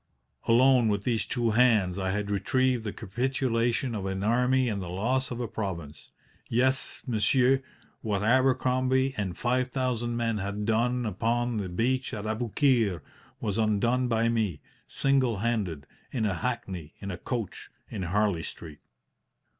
Alone, with these two hands, I had retrieved the capitulation of an army and the loss of a province. Yes, monsieur, what Abercrombie and 5,000 men had done upon the beach at Aboukir was undone by me, single handed, in a hackney coach in Harley Street.